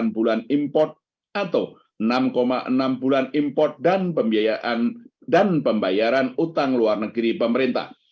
delapan bulan import atau enam enam bulan import dan pembiayaan dan pembayaran utang luar negeri pemerintah